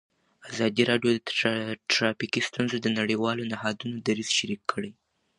ازادي راډیو د ټرافیکي ستونزې د نړیوالو نهادونو دریځ شریک کړی.